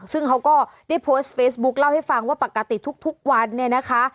ซึ่งเขาก็ได้โพสต์เฟซบุ๊คเล่าให้ฟังว่าปกติทุกวันเนี่ยนะคะ